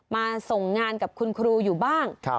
มาส่งงานกับคุณครูอยู่บ้าง